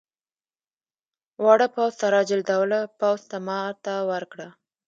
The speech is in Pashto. واړه پوځ سراج الدوله پوځ ته ماته ورکړه.